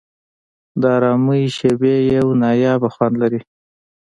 د آرامۍ شېبې یو نایابه خوند لري.